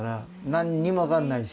何にも分かんないし。